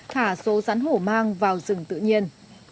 thả số rắn hổ mang vào rừng tự nhiên